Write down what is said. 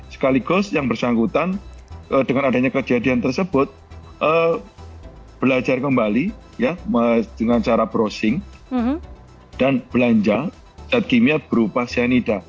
sekaligus yang bersangkutan dengan adanya kejadian tersebut belajar kembali dengan cara browsing dan belanja zat kimia berupa cyanida